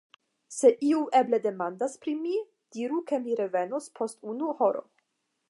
Se iu eble demandas pri mi, diru ke mi revenos post unu horo.